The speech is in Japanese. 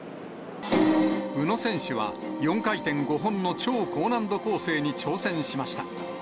宇野選手は、４回転５本の超高難度構成に挑戦しました。